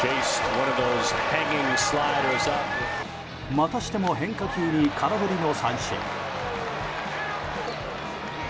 またしても変化球に空振りの三振。